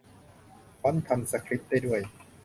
ฟอนต์ทำสคริปต์ได้ด้วย !